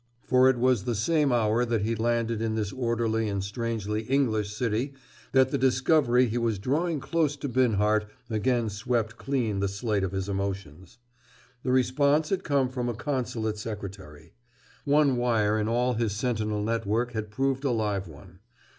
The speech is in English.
For it was the same hour that he landed in this orderly and strangely English city that the discovery he was drawing close to Binhart again swept clean the slate of his emotions. The response had come from a consulate secretary. One wire in all his sentinel network had proved a live one.